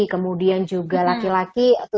kemudian juga laki laki